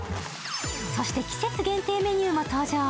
そして季節限定メニューも登場。